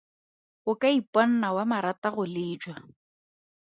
O ka iponna wa marata go lejwa.